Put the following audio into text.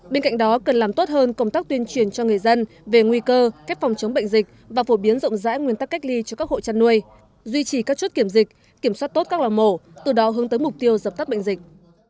bên cạnh đó cần làm tốt hơn công tác tuyên truyền cho người dân về nguy cơ cách phòng chống bệnh dịch và phổ biến rộng rãi nguyên tắc cách ly cho các hộ chăn nuôi duy trì các chốt kiểm dịch kiểm soát tốt các lò mổ từ đó hướng tới mục tiêu dập tắt bệnh dịch